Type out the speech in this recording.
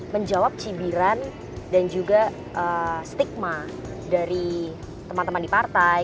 menjawab cibiran dan juga stigma dari teman teman di partai